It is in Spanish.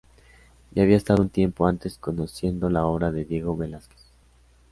Ya había estado un tiempo antes conociendo la obra de Diego Velázquez.